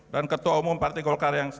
dan ketua umum partai golkar yang